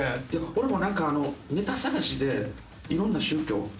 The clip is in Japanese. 俺もなんかネタ探しでいろんな宗教うん。